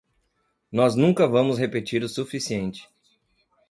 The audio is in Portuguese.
Nós nunca vamos repetir o suficiente.